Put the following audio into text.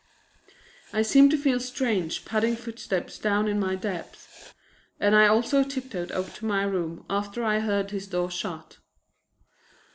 I seemed to feel strange padding footsteps down in my depths and I also tiptoed up to my room after I had heard his door shut.